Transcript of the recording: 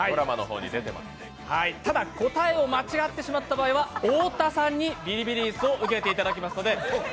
ただ答えを間違ってしまった場合は、太田さんにビリビリ椅子を受けていただきますので。